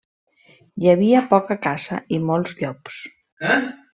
Hi havia poca caça i molts llops.